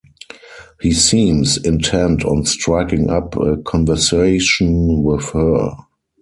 He seems intent on striking up a conversation with her.